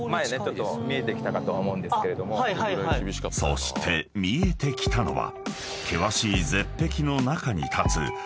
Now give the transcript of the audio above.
［そして見えてきたのは］